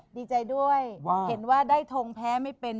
ดีใจด้วยเห็นว่าได้ทงแพ้ไม่เป็น